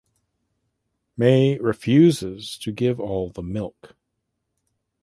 Mai refuses to give all the milk.